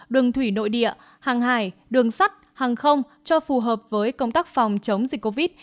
đường thủy nội địa hàng hải đường sắt hàng không cho phù hợp với công tác phòng chống dịch covid